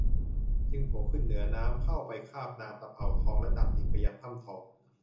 จึงโผล่ขึ้นเหนือน้ำเข้าไปคาบนางตะเภาทองแล้วดำดิ่งไปยังถ้ำทอง